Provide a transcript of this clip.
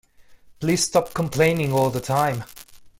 Please stop complaining all the time!